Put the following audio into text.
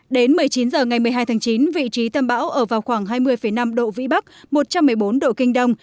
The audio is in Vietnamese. đến một mươi chín h ngày một mươi hai tháng chín vị trí tâm bão ở vào khoảng hai mươi năm độ vĩ bắc một trăm một mươi bốn độ kinh đông